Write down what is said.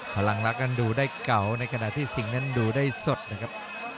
พลังรักนั้นดูได้เก่าในขณะที่สิ่งนั้นดูได้สดนะครับ